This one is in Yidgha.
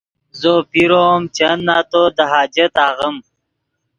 زو پیرو ام چند نتو دے حاجت آغیم